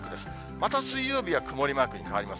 また水曜日は曇りマークに変わります。